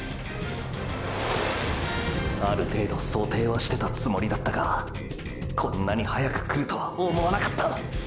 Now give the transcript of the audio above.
ある程度想定はしてたつもりだったがこんなに早く来るとは思わなかった！！